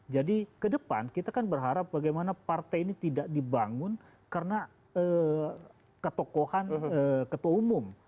jadi ke depan kita kan berharap bagaimana partai ini tidak dibangun karena ketokohan ketua umum